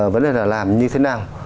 vấn đề là làm như thế nào